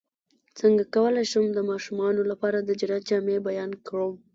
څنګه کولی شم د ماشومانو لپاره د جنت جامې بیان کړم